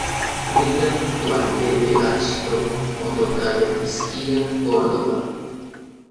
Nikan toaltepe achto motokayotiskia Córdoba.